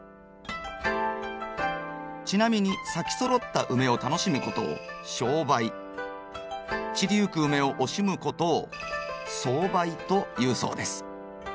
ちなみに咲きそろったウメを楽しむことを賞梅散りゆくウメを惜しむことを送梅というそうです。